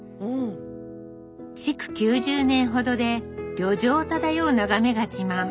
築９０年ほどで旅情漂う眺めが自慢。